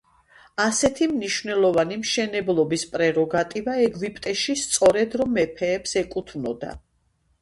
ასეთი მნიშვნელოვანი მშენებლობის პრეროგატივა ეგვიპტეში სწორედ, რომ მეფეებს ეკუთვნოდა.